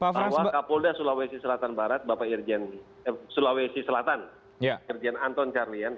bahwa kapolda sulawesi selatan barat bapak irjen sulawesi selatan irjen anton carlian